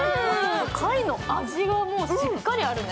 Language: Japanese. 貝の味がしっかりあるね。